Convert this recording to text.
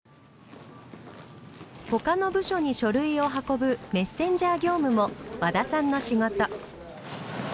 他の部署に書類を運ぶメッセンジャー業務も和田さんの仕事。